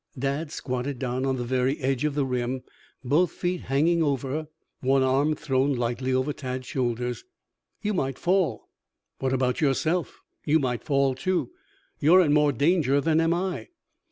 Dad squatted down on the very edge of the rim, both feet banging over, one arm thrown lightly over Tad's shoulders. "You might fall." "What about yourself? You might fall, too. You are in more danger than am I."